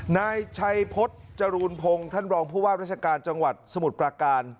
นายชัยพฤษจรูนพงศ์ท่านรองผู้ว่าราชการจังหวัดสมุทรปราการ